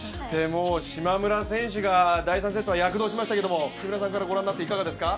島村選手が第３セットは躍動しましたけれども、木村さんからご覧になっていかがですか？